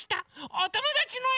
おともだちのえを。